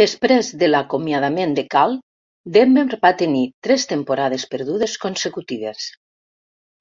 Després de l'acomiadament de Karl, Denver va tenir tres temporades perdudes consecutives.